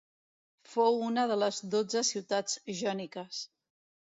Fou una de les dotze ciutats jòniques.